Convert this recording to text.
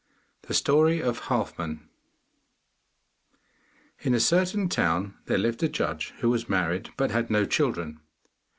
THE STORY OF HALFMAN In a certain town there lived a judge who was married but had no children.